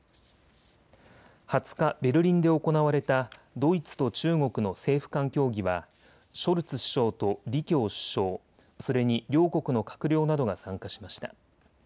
２０日、ベルリンで行われたドイツと中国の政府間協議はショルツ首相と李強首相、それに両国の閣僚などが参加しました。